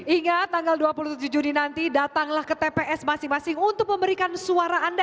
ingat tanggal dua puluh tujuh juni nanti datanglah ke tps masing masing untuk memberikan suara anda